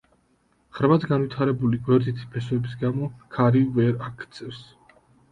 ღრმად განვითარებული გვერდითი ფესვების გამო ქარი ვერ აქცევს.